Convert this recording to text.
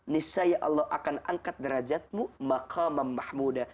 nisaya allah akan angkat derajatmu maqamam mahmuda